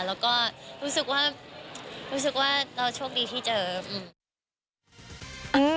แล้วก็รู้สึกว่ารู้สึกว่าเราโชคดีที่เจออืม